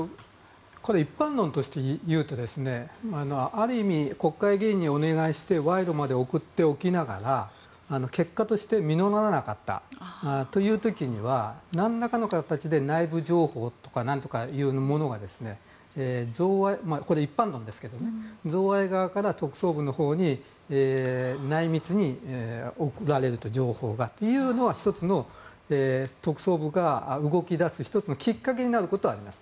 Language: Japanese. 一般論としていうとある意味、国会議員にお願いして賄賂まで贈っておきながら結果として実らなかったという時には何らかの形で内部情報とか何とかいうものが贈賄側から特捜部のほうに内密に情報が送られるというのは１つの特捜部が動き出すきっかけになることはあります。